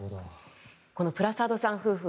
このプラサードさん夫婦